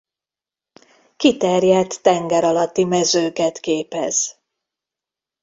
Kiterjedt tenger alatti mezőket képez.